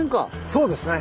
そうですね。